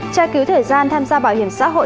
tra cứu thời gian tham gia bảo hiểm xã hội